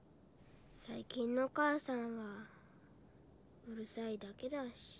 最近の母さんはうるさいだけだし。